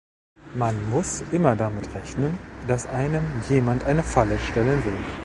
Man muss immer damit rechnen, dass einem jemand eine Falle stellen will.